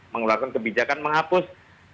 mengeluarkan kebijakan menghapus